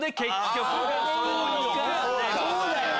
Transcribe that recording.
そうだよな！